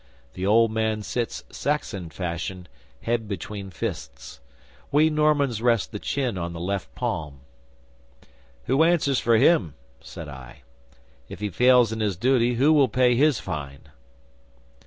The old man sits, Saxon fashion, head between fists. We Normans rest the chin on the left palm. '"Who answers for him?" said I. "If he fails in his duty, who will pay his fine?"